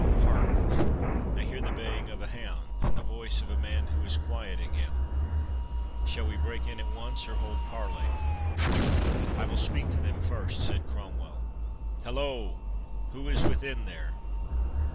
Hark! I hear the baying of a hound, and the voice of a man who is quieting him—Shall we break in at once, or hold parley?" "I will speak to them first," said Cromwell.—"Hollo! who is within there?"